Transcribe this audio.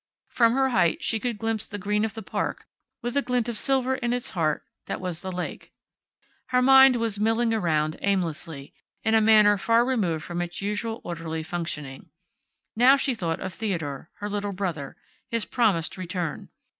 From her height she could glimpse the green of the park, with a glint of silver in its heart, that was the lake. Her mind was milling around, aimlessly, in a manner far removed from its usual orderly functioning. Now she thought of Theodore, her little brother his promised return.